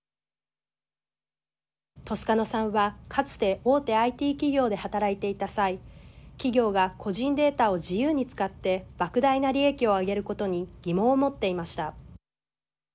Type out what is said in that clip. トスカノさんは、かつて大手ＩＴ企業で働いていた際企業が個人データを自由に使ってばく大な利益を上げることに疑問を持っていました。